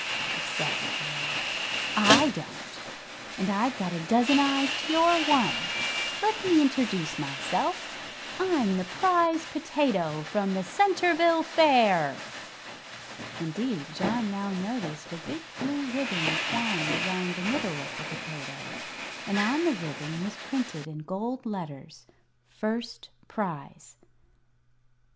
it said, with a laugh. "I don't, and I've got a dozen eyes to your one. Let me introduce myself. I'm the Prize Potato from the Centerville Fair." Indeed, John now noticed a big blue ribbon twined around the middle of the potato, and on the ribbon was printed in gold letters: "First Prize."